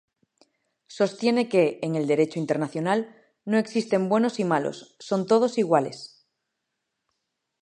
Sostiene que, en el derecho internacional, no existen buenos y malos, son todos iguales.